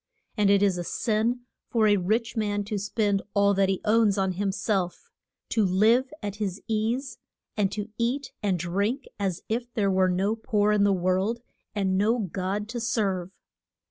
And it is a sin for a rich man to spend all that he owns on him self, to live at his ease, and to eat and drink, as if there were no poor in the world, and no God to serve.